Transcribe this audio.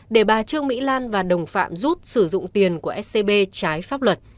để bà trương mỹ lan và đồng phạm rút sử dụng tiền của scb trái pháp luật